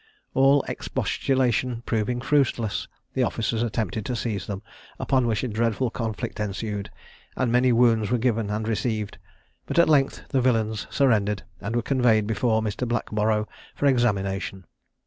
All expostulation proving fruitless, the officers attempted to seize them, upon which a dreadful conflict ensued, and many wounds were given and received, but at length the villains surrendered, and were conveyed before Mr. Blackborow for examination.